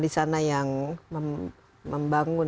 di sana yang membangun